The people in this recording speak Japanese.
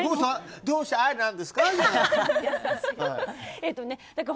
どうして、ありなんですか？